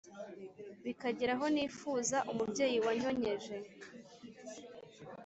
bikagera aho nifuza umubyeyi wanyonkeje